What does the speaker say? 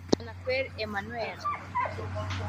Bwanakweli Emmanuel